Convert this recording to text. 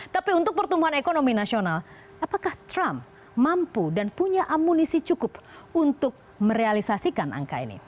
tapi untuk pertumbuhan ekonomi nasional apakah trump mampu dan punya amunisi cukup untuk merealisasikan angka ini